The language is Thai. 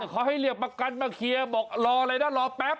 เขาให้เรียกประกันมาเคลียร์บอกรออะไรนะรอแป๊บ